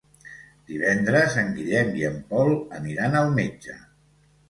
Divendres en Guillem i en Pol aniran al metge.